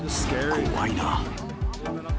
怖いな。